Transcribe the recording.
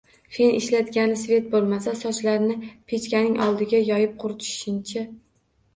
Fen ishlatgani svet bo‘lmasa sochlarini pechkaning oldida yoyib quritishini-chi?